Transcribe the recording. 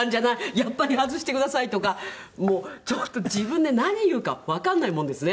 やっぱり外してください」とかちょっと自分で何言うかわかんないもんですね。